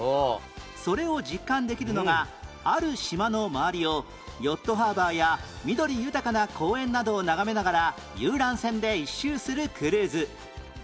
それを実感できるのがある島の周りをヨットハーバーや緑豊かな公園などを眺めながら遊覧船で一周するクルーズ